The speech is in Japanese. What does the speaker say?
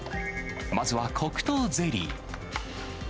まずは黒糖ゼリー。